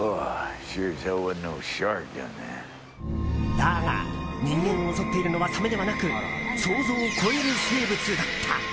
だが、人間を襲っているのはサメではなく想像を超える生物だった。